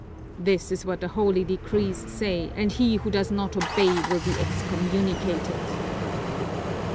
This is what the holy decrees say and he who does not obey will be excommunicated."